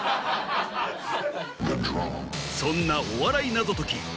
そんなお笑い謎解き